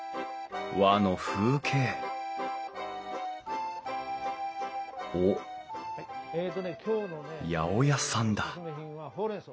和の風景おっ八百屋さんだ